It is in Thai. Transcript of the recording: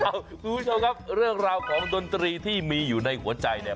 คุณผู้ชมครับเรื่องราวของดนตรีที่มีอยู่ในหัวใจเนี่ย